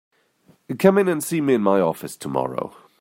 Come in and see me in my office tomorrow.